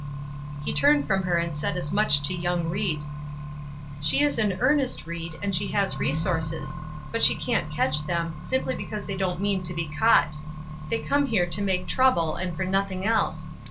He turned from her and said as much to young Ried: "She is in earnest, Ried, and she has resources; but she won't catch them, simply because they don't mean to be caught; they come here to make trouble and for nothing else.